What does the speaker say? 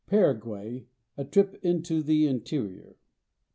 PARAGUAY— A TRIP INTO THE INTERIOR.